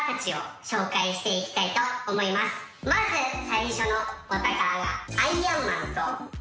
まず最初のお宝が。